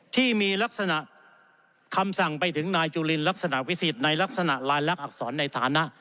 ที่มีลักษณะคำสั่งไปถึงนายจุลินลักษณะวิสิทธิ์ในลักษณะลายลักษณอักษรในฐานะ